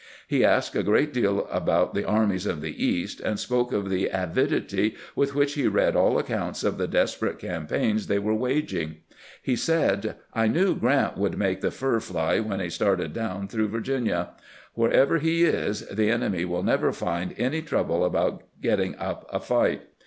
He asked a great deal about the armies of the East, and spoke of the avidity with which he read all accounts of the desperate cam paigns they were waging. He said: "I knew Grant would make the fur fly when he started down through Virginia. Wherever he is the enemy will never find any THE CAPTOK OP ATLANTA 291 trouble about getting up a fight.